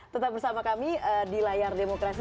tetap bersama kami di layar demokrasi